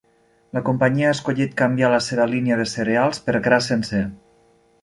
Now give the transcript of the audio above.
La companyia ha escollit canviar la seva línia de cereals per gra sencer.